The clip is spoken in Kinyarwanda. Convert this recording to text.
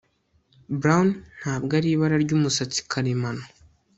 Brown ntabwo ari ibara ryumusatsi karemano